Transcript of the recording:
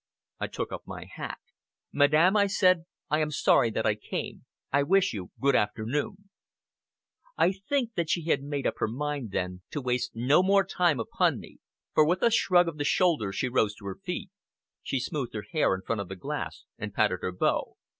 I took up my hat. "Madame," I said, "I am sorry that I came. I wish you good afternoon!" I think that she had made up her mind, then, to waste no more time upon me, for with a shrug of the shoulders she rose to her feet. She smoothed her hair in front of the glass and patted her bow.